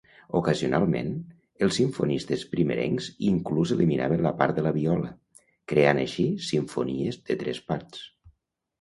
Ocasionalment, els simfonistes primerencs inclús eliminaven la part de la viola, creant així simfonies de tres parts.